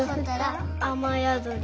あまやどり。